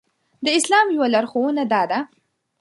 د اسلام يوه لارښوونه دا ده.